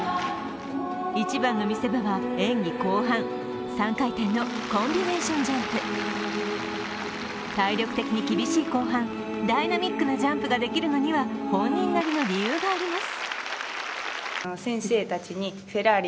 一番の見せ場は演技後半３回転のコンビネーションジャンプ体力的に厳しい後半、ダイナミックなジャンプができるのには本人なりの理由があります。